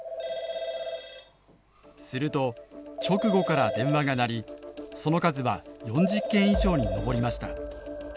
すると直後から電話が鳴りその数は４０件以上に上りました。